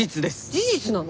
事実なの？